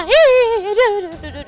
aduh aduh aduh aduh